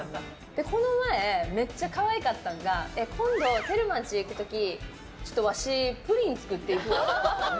この前、めっちゃ可愛かったのが今度テルマんちに行く時ちょっとわし、プリン作っていくわって。